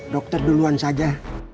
dokter duluan saja